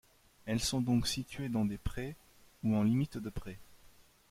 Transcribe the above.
Elles sont donc situées dans des prés, ou en limite de pré.